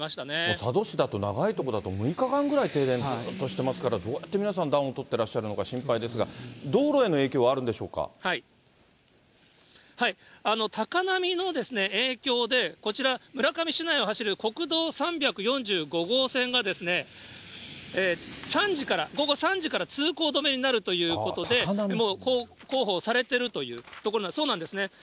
佐渡市だと、長い所だと６日間ぐらい、ずっと停電してますから、どうやって皆さん暖をとっていらっしゃるのか、心配ですが、道路への影響はある高波の影響で、こちら、村上市内を走る国道３４５号線が、３時から、午後３時から通行止めになるということで、もう広報されてるというところなんです。